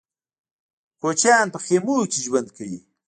کوچيان په خيمو کې ژوند کوي.